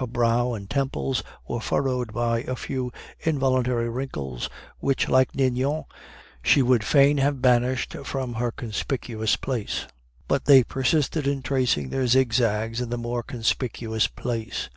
Her brow and temples were furrowed by a few involuntary wrinkles which, like Ninon, she would fain have banished from her head to her heel, but they persisted in tracing their zigzags in the more conspicuous place.